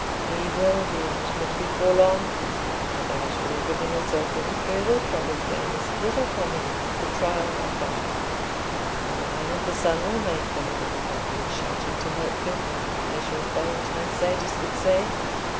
"He will be out of it before long, without your giving yourself any further trouble than this little comedy of the Trial by Fire. The wine and the sun will make vinegar without any shouting to help them, as your Florentine sages would say.